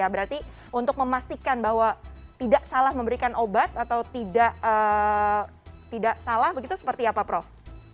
berarti untuk memastikan bahwa tidak salah memberikan obat atau tidak salah begitu seperti apa prof